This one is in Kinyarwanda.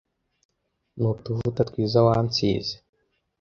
N’utuvuta twiza wansize